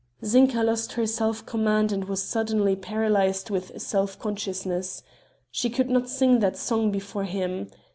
Zinka lost her self command and was suddenly paralyzed with self consciousness. She could not sing that song before him.